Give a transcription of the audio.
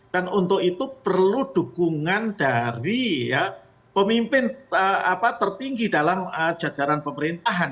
dan untuk itu perlu dukungan dari pemimpin tertinggi dalam jadaran pemerintahan